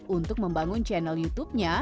untuk membangun channel youtubenya